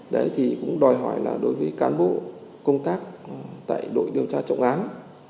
đấy thì cũng đòi hỏi là đối với cán bộ công tác tại đội điều tra trọng án